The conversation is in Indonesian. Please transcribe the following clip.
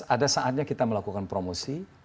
ada saatnya kita melakukan promosi